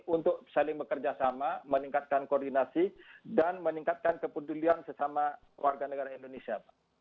untuk saling bekerja sama meningkatkan koordinasi dan meningkatkan kepedulian sesama warga negara indonesia